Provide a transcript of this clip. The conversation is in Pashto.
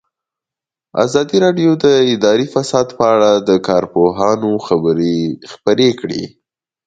ازادي راډیو د اداري فساد په اړه د کارپوهانو خبرې خپرې کړي.